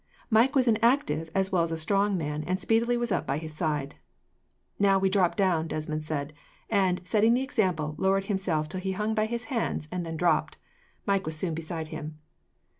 Mike was an active as well as a strong man, and speedily was by his side. "Now we will drop down," Desmond said, and, setting the example, lowered himself till he hung by his hands, and then dropped. Mike was soon beside him.